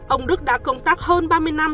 ông đức đã công tác hơn ba mươi năm